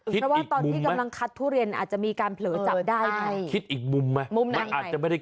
เพราะว่าตอนที่กำลังคัดทุเรียนอาจจะมีการเผลอจับได้